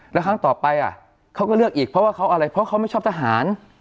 แล้วครั้งต่อไปเขาก็เลือกอีกเพราะว่าเขาอะไรเพราะเขาไม่ชอบทหาร